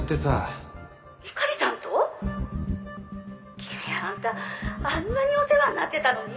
「公也あんたあんなにお世話になってたのに？」